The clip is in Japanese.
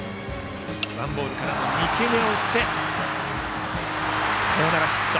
ワンボールからの２球目を打ってサヨナラヒット。